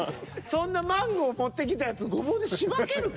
そんなマンゴー持ってきたやつゴボウでしばけるか？